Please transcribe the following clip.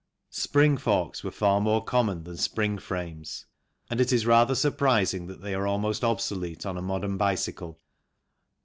Spring forks were far more common than spring frames, and it is rather surprising that they are almost obsolete on a modern bicycle.